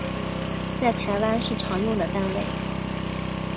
在台湾是常用的单位